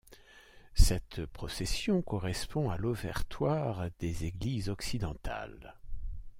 Cette procession correspond à l'Offertoire des Églises occidentales.